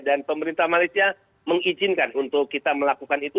dan pemerintah malaysia mengizinkan untuk kita melakukan itu